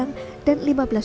untuk rumah rusak berat